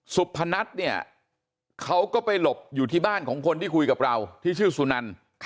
สุพนัทเนี่ยเขาก็ไปหลบอยู่ที่บ้านของคนที่คุยกับเราที่ชื่อสุนัน